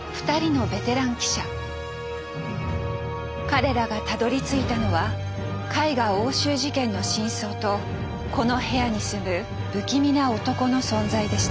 彼らがたどりついたのは絵画押収事件の真相とこの部屋に住む不気味な男の存在でした。